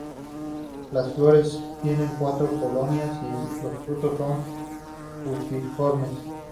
Las flores tienen cuatro polinias y los frutos son fusiformes.